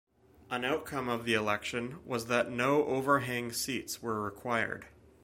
An outcome of the election was that no overhang seats were required.